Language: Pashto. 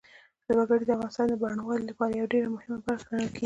وګړي د افغانستان د بڼوالۍ یوه ډېره مهمه برخه ګڼل کېږي.